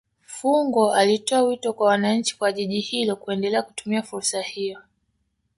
Fungo alitoa wito kwa wananchi wa Jiji hilo kuendelea kutumia fursa hiyo